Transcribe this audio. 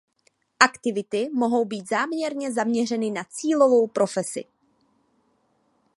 Aktivity mohou být záměrně zaměřeny na cílovou profesi.